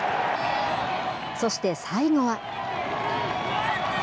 そして、最後は。